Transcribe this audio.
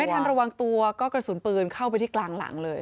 ทันระวังตัวก็กระสุนปืนเข้าไปที่กลางหลังเลย